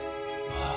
ああ。